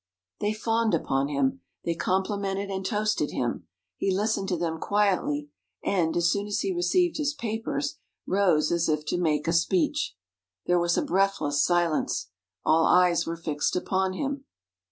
They fawned upon him; they complimented and toasted him. He listened to them quietly; and, as soon as he received his papers, rose as if to make a speech. There was a breathless silence. All eyes were fixed upon him.